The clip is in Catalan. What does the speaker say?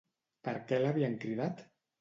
Per què l'havien cridat?